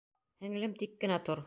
Һеңлем, тик кенә тор!